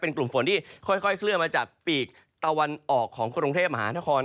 กลุ่มฝนที่ค่อยเคลื่อนมาจากปีกตะวันออกของกรุงเทพมหานคร